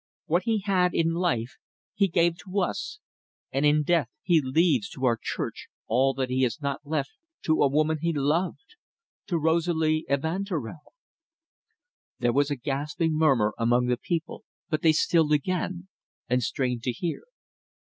What he had in life he gave to us, and in death he leaves to our church all that he has not left to a woman he loved to Rosalie Evanturel." There was a gasping murmur among the people, but they stilled again, and strained to hear.